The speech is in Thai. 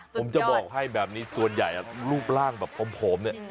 ผมจะบอกให้แบบนี้ส่วนใหญ่รูปร่างแบบผอมเนี่ย